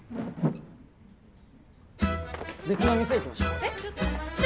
別の店行きましょ。